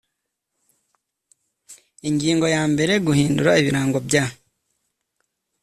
ingingo yambere guhindura ibirango bya